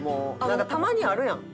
なんかたまにあるやん